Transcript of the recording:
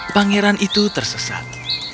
pangeran itu tersesat